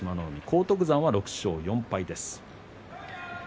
荒篤山は６勝４敗です。